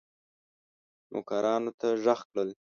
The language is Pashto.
نوکرانو ته ږغ کړل.